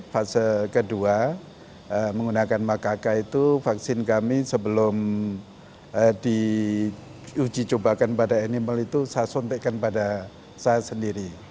fase kedua menggunakan makaka itu vaksin kami sebelum diuji cobakan pada animal itu saya suntikkan pada saya sendiri